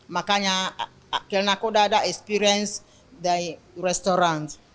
makanya karena aku sudah ada pengalaman di restoran